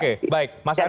oke baik mas arya